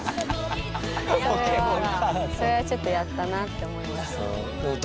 それはちょっとやったなって思いましたね。